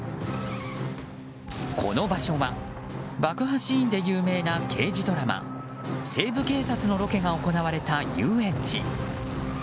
この場所は、爆破シーンで有名な刑事ドラマ「西部警察」のロケが行われた遊園地。